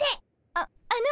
あっあの。